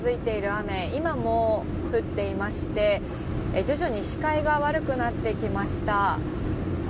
雨、今も降っていまして、徐々に視界が悪くなってきました。